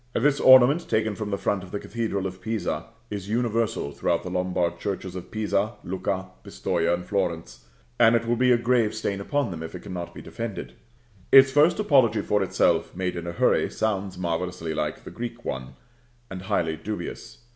This ornament, taken from the front of the Cathedral of Pisa, is universal throughout the Lombard churches of Pisa, Lucca, Pistoja, and Florence; and it will be a grave stain upon them if it cannot be defended. Its first apology for itself, made in a hurry, sounds marvellously like the Greek one, and highly dubious.